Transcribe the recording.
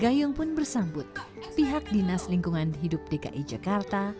gayung pun bersambut pihak dinas lingkungan hidup dki jakarta